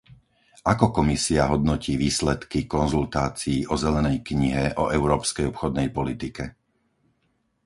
Ako Komisia hodnotí výsledky konzultácií o zelenej knihe o európskej obchodnej politike?